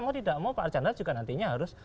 mau tidak mau pak archandra juga nantinya harus